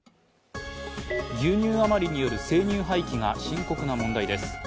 牛乳余りによる生乳廃棄が深刻な問題です。